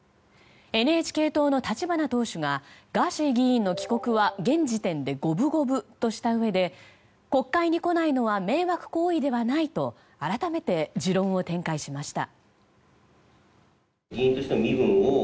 ＮＨＫ党の立花党首がガーシー議員の帰国は現時点で五分五分としたうえで国会に来ないのは迷惑行為ではないと改めて持論を展開しました。